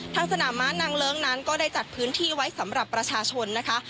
สนามม้านางเลิ้งนั้นก็ได้จัดพื้นที่ไว้สำหรับประชาชนนะคะ